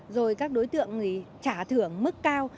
rồi các đối tượng thì trả thưởng mức cao